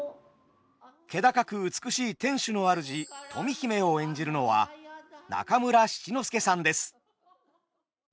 気高く美しい天守の主富姫を演じるのは中村七之助さんです。